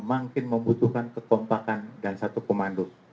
makin membutuhkan kekompakan dan satu komando